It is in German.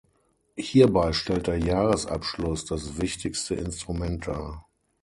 Hierbei stellt der Jahresabschluss das wichtigste Instrument dar.